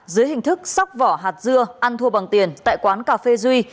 dưới hình thức sóc vỏ hạt dưa ăn thua bằng tiền tại quán cà phê duy